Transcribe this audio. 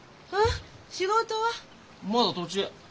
まだ途中。